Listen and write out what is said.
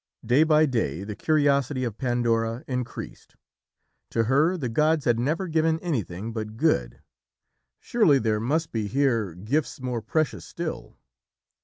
Day by day, the curiosity of Pandora increased. To her the gods had never given anything but good. Surely there must be here gifts more precious still.